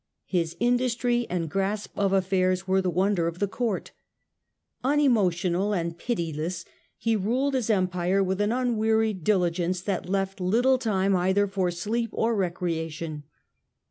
His industry and grasp of affairs were the wonder of the Court. Unemotional and pitiless, he ruled his Empire with an unwearied diligence that left little time either for sleep or recreation.